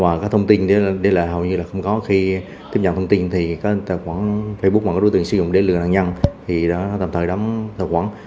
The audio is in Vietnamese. và cái thông tin để lại hầu như là không có khi tiếp nhận thông tin thì các tài khoản facebook mà các đối tượng sử dụng để lừa nạn nhân thì đã tạm thời đóng tài khoản